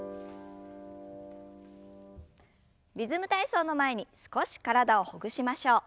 「リズム体操」の前に少し体をほぐしましょう。